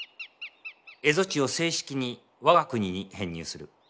蝦夷地を正式に我が国に編入する。